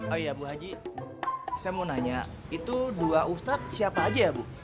oh iya bu haji saya mau nanya itu dua ustadz siapa aja ya bu